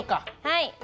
はい！